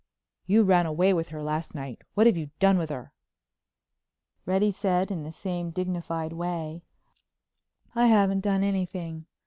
"You ran away with her last night. What have you done with her?" Reddy said in the same dignified way: "I haven't done anything.